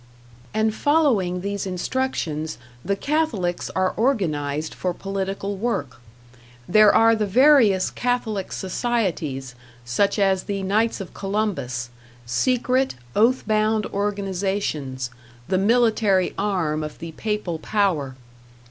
And following these instructions, the Catholics are organized for political work. There are the various Catholic Societies, such as the Knights of Columbus, secret, oath bound organizations, the military arm of the Papal Power.